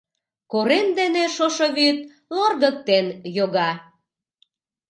Корем дене шошо вӱд лоргыктен йога.